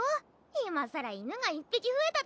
今更犬が１匹増えたって。